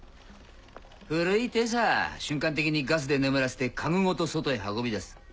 古い手さ瞬間的にガスで眠らせて家具ごと外へ運び出す。